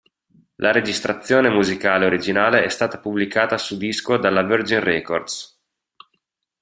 La registrazione musicale originale è stata pubblicata su disco dalla Virgin Records.